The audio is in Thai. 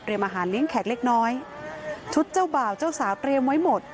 อาหารเลี้ยงแขกเล็กน้อยชุดเจ้าบ่าวเจ้าสาวเตรียมไว้หมด